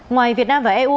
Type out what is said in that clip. ngoài việt nam và eu